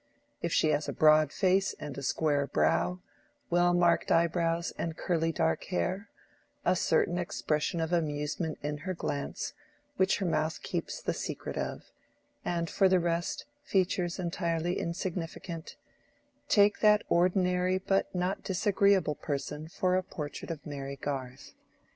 If she has a broad face and square brow, well marked eyebrows and curly dark hair, a certain expression of amusement in her glance which her mouth keeps the secret of, and for the rest features entirely insignificant—take that ordinary but not disagreeable person for a portrait of Mary Garth.